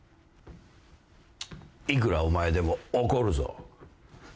いくらお前でも怒るぞ。